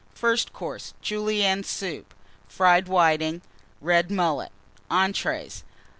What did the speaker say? FIRST COURSE. Julienne Soup. Fried Whitings. Red Mullet. ENTREES.